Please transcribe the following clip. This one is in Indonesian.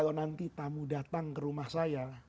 kalau nanti tamu datang ke rumah saya